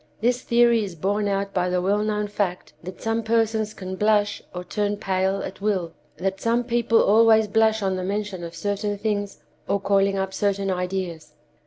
This theory is borne out by the well known fact that some persons can blush or turn pale at will; that some people always blush on the mention of certain things, or calling up certain ideas.